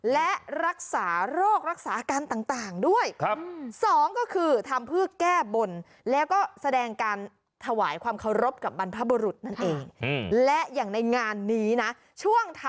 และรักษาโรครักษาการต่างด้วย